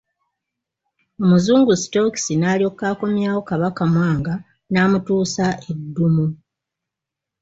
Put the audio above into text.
Omuzungu Stokes n'alyoka akomyawo Kabaka Mwanga n'amutuusa e Ddumu.